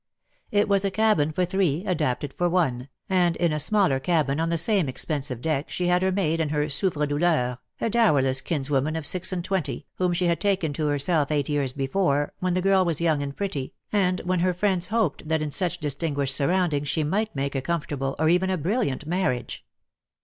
It was a cabin for three, adapted for one, and in a smaller cabin on the same expensive deck she had her maid and her souffre douleur, a dowerless kinswoman of six and twenty, whom she had taken to herself eight years before, when the girl was young and pretty, and when her friends hoped that in such distinguished surroundings she might make a comfortable, or even a brilliant mamage.